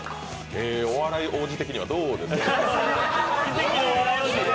お笑い王子的にはどうですか？